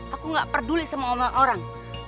aku gak peduli sama orang